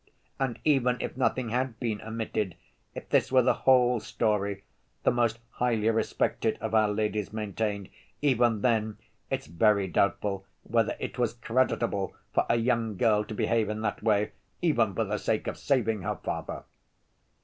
"And even if nothing had been omitted, if this were the whole story," the most highly respected of our ladies maintained, "even then it's very doubtful whether it was creditable for a young girl to behave in that way, even for the sake of saving her father."